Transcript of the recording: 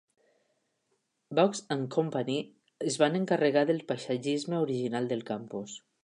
Vaux and Co. es van encarregar del paisatgisme original del campus.